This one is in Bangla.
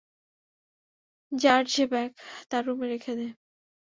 যার যে ব্যাগ তার রুমে রেখে দে।